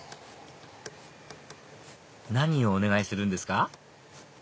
何をお願いするんですか？